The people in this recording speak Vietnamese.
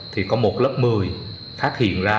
thì có một lớp một mươi phát hiện ra